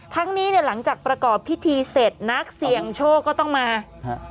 ทั้งนี้เนี่ยหลังจากประกอบพิธีเสร็จนักเสี่ยงโชคก็ต้องมาฮะ